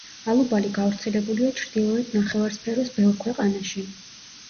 ალუბალი გავრცელებულია ჩრდილოეთ ნახევარსფეროს ბევრ ქვეყანაში.